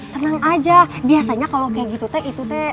tenang aja biasanya kalau kayak gitu teh itu deh